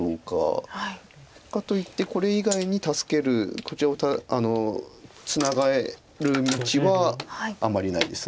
かといってこれ以外に助けるこちらをツナがる道はあんまりないです。